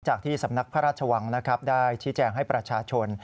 จากที่สำนักพระราชวังได้ชี้แจงให้ประชาชน